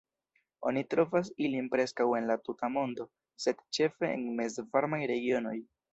Oni trovas ilin preskaŭ en la tuta mondo, sed ĉefe en mezvarmaj regionoj.